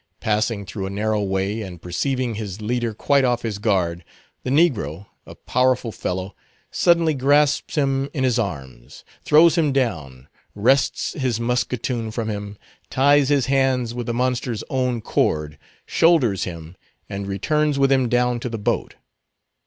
Passing through a narrow way, and perceiving his leader quite off his guard, the negro, a powerful fellow, suddenly grasps him in his arms, throws him down, wrests his musketoon from him, ties his hands with the monster's own cord, shoulders him, and returns with him down to the boat.